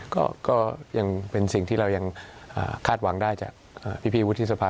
ก็ยังเป็นสิ่งที่เรายังคาดหวังได้จากพี่วุฒิสภา